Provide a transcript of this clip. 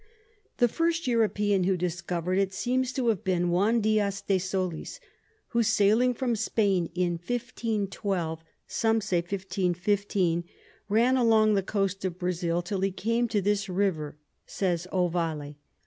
The first European who discover'd it, seems to have been Juan Dias de Solis, who sailing from Spain in 1512. some say 1515. run along the Coast of Brazile till he came to this River, says Ovalle.